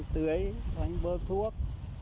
tưới bớt thuốc